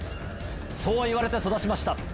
そう言われて育ちました。